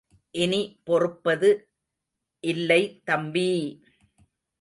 இனி பொறுப்பது இல்லை தம்பீ!